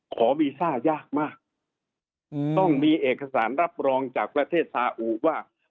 วีซ่ายากมากต้องมีเอกสารรับรองจากประเทศซาอุว่า